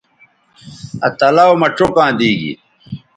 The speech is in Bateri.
آ تلاؤ مہ چوکاں دی گی